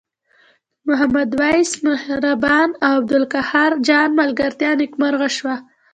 د محمد وېس مهربان او عبدالقاهر جان ملګرتیا نیکمرغه شوه.